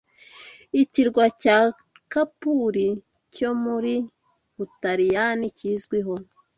Ikirwa cya Capuri cyo mu Butaliyani kizwiho